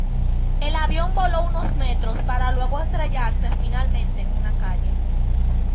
El avión voló unos metros más para luego estrellarse finalmente en una calle.